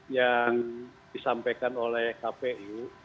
yang disampaikan oleh kpu